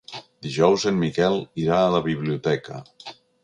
Dijous en Miquel irà a la biblioteca.